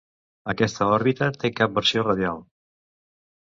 Aquesta òrbita té cap versió radial.